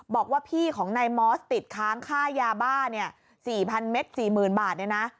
บอกว่าพี่ของนายมอสติดค้างค่ายาบ้าเนี่ย๔๐๐เมตร๔๐๐๐บาทเนี่ยนะ